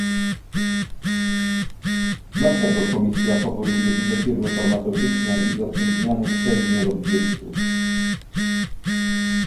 Dlaczego Komisja faworyzuje duże firmy farmaceutyczne i zatrudnianych przez nie lobbystów?